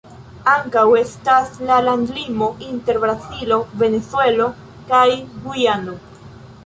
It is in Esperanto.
Ankaŭ estas la landlimo inter Brazilo, Venezuelo kaj Gujano.